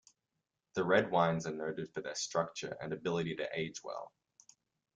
The red wines are noted for their structure and ability to age well.